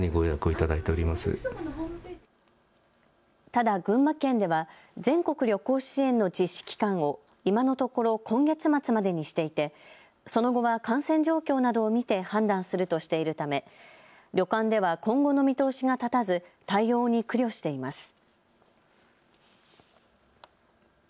ただ、群馬県では全国旅行支援の実施期間を今のところ今月末までにしていてその後は感染状況などを見て判断するとしているため旅館では今後の見通しが立たず、対応に苦慮しています。